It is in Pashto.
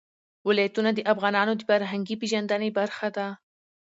ولایتونه د افغانانو د فرهنګي پیژندنې برخه ده.